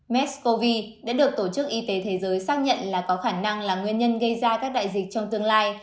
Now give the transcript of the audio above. mesco đã được tổ chức y tế thế giới xác nhận là có khả năng là nguyên nhân gây ra các đại dịch trong tương lai